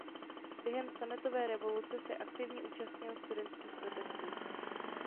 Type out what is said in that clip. Během sametové revoluce se aktivně účastnil studentských protestů.